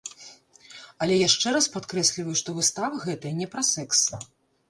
Але яшчэ раз падкрэсліваю, што выстава гэтая не пра сэкс!